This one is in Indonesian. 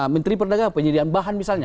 menteri perdagangan penyediaan bahan misalnya